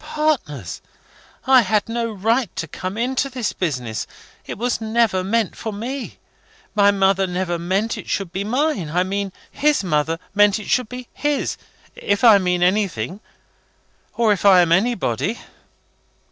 "Partners! I had no right to come into this business. It was never meant for me. My mother never meant it should be mine. I mean, his mother meant it should be his if I mean anything or if I am anybody."